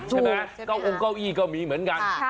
ใช่ไหมเก้าอุ้งเก้าอี้เก้าหมีเหมือนกัน